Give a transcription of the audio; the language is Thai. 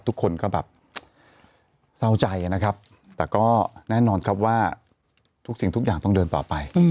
ทุกคนก็แบบเศร้าใจนะครับแต่ก็แน่นอนครับว่าทุกสิ่งทุกอย่างต้องเดินต่อไป